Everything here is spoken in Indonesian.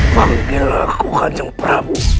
panggil aku kajeng prabu